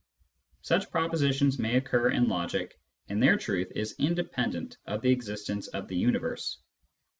Such propositions may occur in logic, and their truth is independent of the existence of the universe.